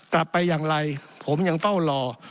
กลับไปอย่างไรผมยังเฝ้ารอ